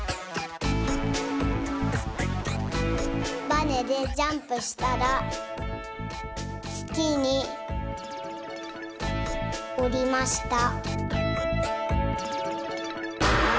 バネでジャンプしたらつきにおりました。